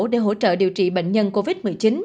để hỗ trợ điều trị bệnh nhân covid một mươi chín